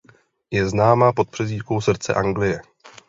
Je známa pod přezdívkou „srdce Anglie“.